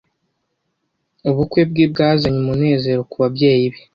Ubukwe bwe bwazanye umunezero kubabyeyi be.